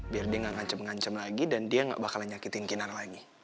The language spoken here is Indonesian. biar dia gak ngancem ngancem lagi dan dia gak bakalan nyakitin kinar lagi